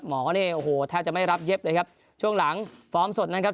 หมอนี่โอ้โหแทบจะไม่รับเย็บเลยครับช่วงหลังฟอร์มสดนะครับ